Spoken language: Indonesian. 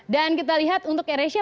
dan kita lihat untuk air asia